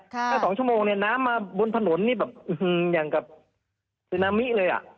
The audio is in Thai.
ค่ะแค่สองชั่วโมงเนี้ยน้ำมาบนผนนี่แบบอื้อหืออย่างกับเลยอ่ะ